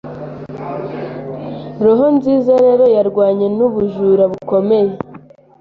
Roho nziza rero yarwanye nubujura bukomeye